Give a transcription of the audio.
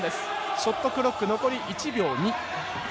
ショットクロック残り１秒２。